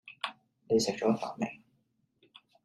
你食咗飯未